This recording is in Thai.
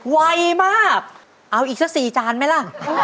ไวมากเอาอีกสัก๔จานไหมล่ะ